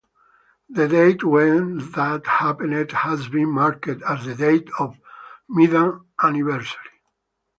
The date when that happened has been marked as the date of Medan anniversary.